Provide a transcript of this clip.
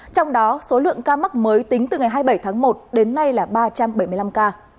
trong đó số lượng ca mắc mới tính từ ngày hai mươi bảy tháng một đến nay là ba trăm bảy mươi năm ca